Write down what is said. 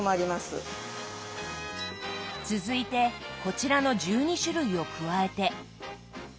続いてこちらの１２種類を加えて。